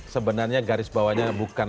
sebenarnya garis bawahnya bukan